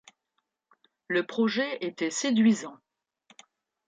Le projet était séduisant.